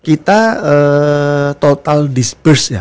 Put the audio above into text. kita total disperse ya